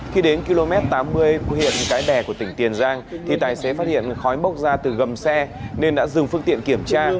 khi đến km tám mươi huyện cái bè của tỉnh tiền giang thì tài xế phát hiện khói bốc ra từ gầm xe nên đã dừng phương tiện kiểm tra